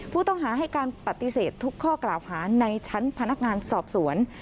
ผู้ต้องหาให้การปฏิเสธทุกข้อกล่าวหาในชั้นพนักงานสอบสวน